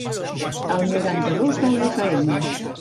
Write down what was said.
Al noranta-dos de la efa ema.